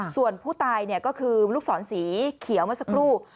ส่วนผู้ตายก็คือลูกศรสีเขียวเมื่อสักครู่